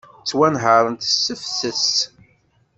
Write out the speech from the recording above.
Ttwanhaṛent s tefses.